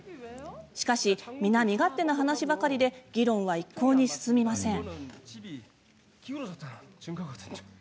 しかし、皆身勝手な話ばかりで議論は一向に進みません。